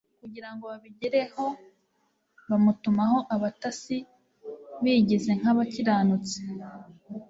kugira ngo babigereho "bamutumaho abatasi bigize nk'abakiranutsi,